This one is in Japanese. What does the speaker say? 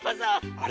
「あれ？